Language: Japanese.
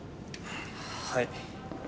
はい。